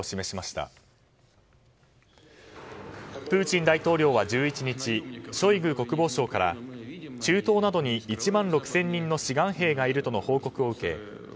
プーチン大統領は１１日ショイグ国防相から中東などに１万６０００人の志願兵がいるとの報告を受け